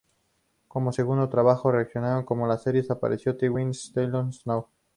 Como segundo trabajo relacionado con las series apareció en "The Red Skelton Show".